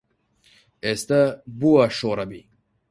ئێستە بۆ وا شۆڕەبی